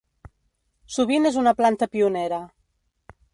Sovint és una planta pionera.